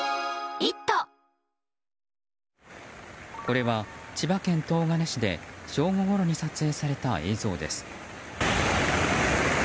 これは千葉県東金市で正午ごろに撮影された映像です。